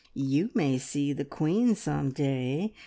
You may see the queen some day!